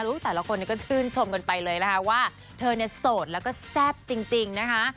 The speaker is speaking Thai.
แต่ละคนนี้ก็ชื่นชมกันไปเลยนะคะว่าเธอเนี่ยโสดแล้วก็แซ่บจริงนะคะ